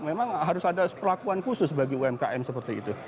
memang harus ada perlakuan khusus bagi umkm seperti itu